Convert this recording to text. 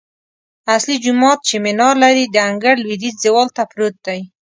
اصلي جومات چې منار لري، د انګړ لویدیځ دیوال ته پروت دی.